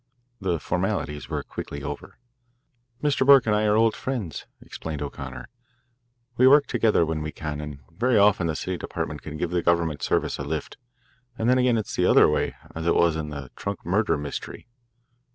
The formalities were quickly over. "Mr. Burke and I are old friends," explained O'Connor. "We try to work together when we can, and very often the city department can give the government service a lift, and then again it's the other way as it was in the trunk murder mystery.